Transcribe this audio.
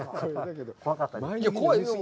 怖かったですか？